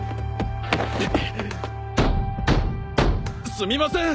すみません！